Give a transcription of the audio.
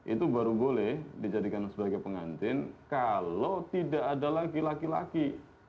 itu baru boleh dijadikan sebagai pengantin kalau tidak ada laki laki